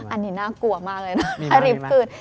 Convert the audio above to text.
อันนี้น่ากลัวมากเลยนะถ้ารีบคืน